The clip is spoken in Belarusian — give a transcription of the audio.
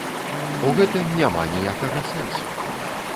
У гэтым няма ніякага сэнсу.